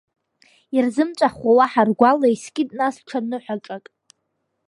Ирзымҵәахуа уаҳа ргәала, искит нас ҽа ныҳәаҿак.